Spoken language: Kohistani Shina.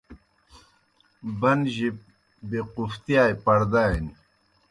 بن جِب بے قوفتیائی پڑدانیْ